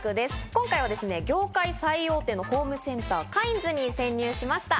今回は業界最大手のホームセンター・カインズに潜入しました。